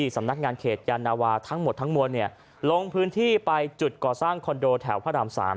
สำนักงานเขตยานาวาทั้งหมดทั้งมวลลงพื้นที่ไปจุดก่อสร้างคอนโดแถวพระราม๓